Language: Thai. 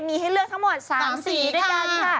มีให้เลือกทั้งหมด๓สีด้วยกันค่ะ